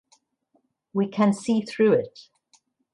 We can see through it.